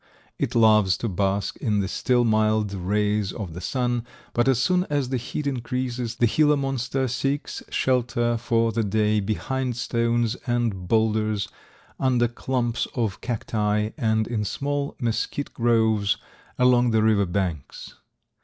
It loves to bask in the still mild rays of the sun, but as soon as the heat increases the Gila Monster seeks shelter for the day behind stones and bowlders, under clumps of cacti and in small mesquite groves along the river banks.